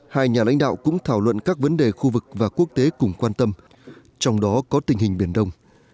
hai nhà lãnh đạo cũng thảo luận các vấn đề khu vực và quốc tế cùng quan tâm trong đó có tình hình biển đông